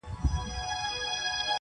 زهره چاودي به لستوڼي کي ماران سي؛